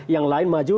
yang lain maju